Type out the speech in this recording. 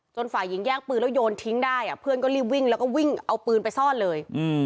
ฝ่ายหญิงแย่งปืนแล้วโยนทิ้งได้เพื่อนก็รีบวิ่งแล้วก็วิ่งเอาปืนไปซ่อนเลย